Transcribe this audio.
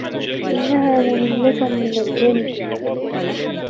انها مملة من الجلد.